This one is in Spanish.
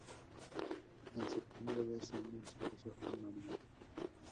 En septiembre de ese año se casó con María.